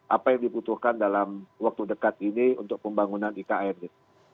apa yang dibutuhkan dalam waktu dekat ini untuk pembangunan ikn gitu